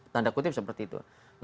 tanda kutip seperti itu